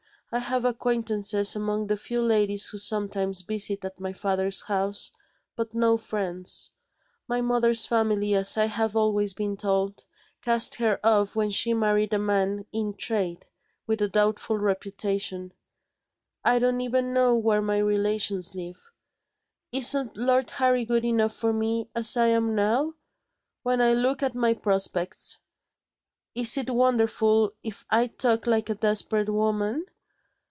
I have acquaintances among the few ladies who sometimes visit at my father's house, but no friends. My mother's family, as I have always been told, cast her off when she married a man in trade, with a doubtful reputation. I don't even know where my relations live. Isn't Lord Harry good enough for me, as I am now? When I look at my prospects, is it wonderful if I talk like a desperate woman?